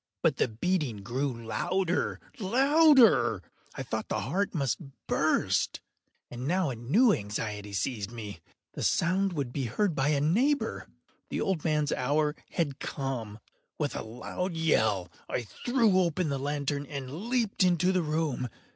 But the beating grew louder, louder! I thought the heart must burst. And now a new anxiety seized me—the sound would be heard by a neighbour! The old man’s hour had come! With a loud yell, I threw open the lantern and leaped into the room.